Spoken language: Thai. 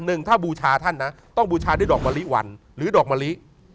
หนึ่งถ้าบูชาท่านนะต้องบูชาด้วยดอกมะลิวันหรือดอกมะลิ